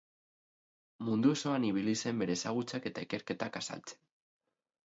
Mundu osoan ibili zen bere ezagutzak eta ikerketak azaltzen.